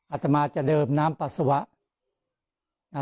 อาตมาจะเดิมน้ำปัสสาวะ